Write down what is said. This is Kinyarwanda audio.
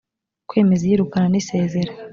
kwemeza iyirukana n isezera